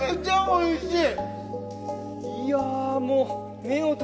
おいしい！